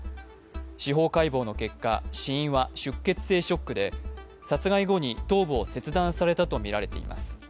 司法解剖の結果死因は出血性ショックで殺害後に頭部を切断されたとみられています。